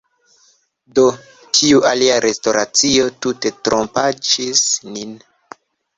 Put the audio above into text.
Do, tiu alia restoracio tute trompaĉis nin!